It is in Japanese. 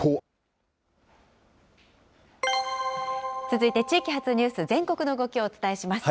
続いて地域発ニュース、全国の動きをお伝えします。